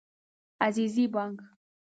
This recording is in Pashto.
عزیزي بانګ